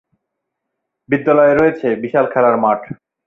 বিদ্যালয়ে রয়েছে বিশাল খেলার মাঠ।